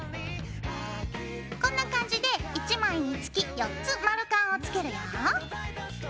こんな感じで１枚につき４つ丸カンをつけるよ。